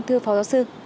thưa phó giáo sư